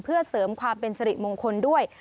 เพื่อเสริมความเป็นสริมงคลด้วย